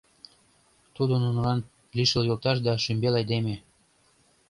Тудо нунылан лишыл йолташ да шӱмбел айдеме.